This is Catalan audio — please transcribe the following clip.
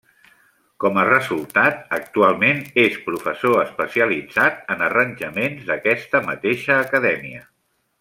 Com a resultat, actualment és professor especialitzat en arranjaments d'aquesta mateixa acadèmia.